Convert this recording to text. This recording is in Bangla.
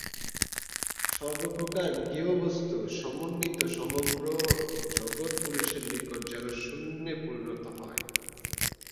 সর্বপ্রকার জ্ঞেয়বস্তু-সমন্বিত সমগ্র জগৎ পুরুষের নিকট যেন শূন্যে পরিণত হয়।